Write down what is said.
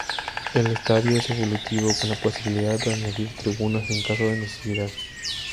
El estadio es evolutivo, con la posibilidad de añadir tribunas en caso de necesidad.